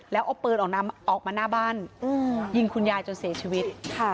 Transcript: แล้วเอาปืนออกมาหน้าบ้านยิงคุณยายจนเสียชีวิต